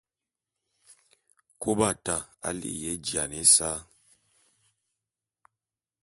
Kôbata a li'iya éjiane ésa.